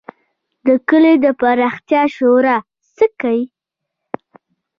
د کلي د پراختیا شورا څه کوي؟